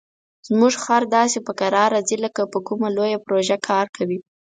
زموږ خر داسې په کراره ځي لکه په کومه لویه پروژه کار کوي.